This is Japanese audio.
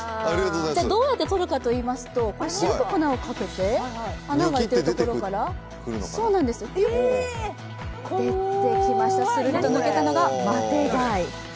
どうやって採るかといいますと、塩をかけて、穴が開いているところからするっと抜けたのがマテガイ。